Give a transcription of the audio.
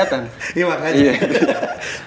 jadi itu selalu ngingetin selalu diperhatikan